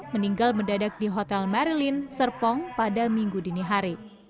meninggal mendadak di hotel marilin serpong pada minggu dini hari